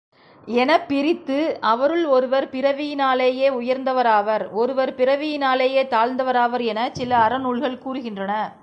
எனப் பிரித்து, அவருள் ஒருவர் பிறவியினாலேயே உயர்ந்தவராவர் ஒருவர் பிறவியினாலேயே தாழ்ந்த வராவர் எனச் சில அறநூல்கள் கூறுகின்றன.